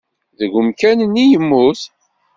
Deg umkan-nni i yemmut.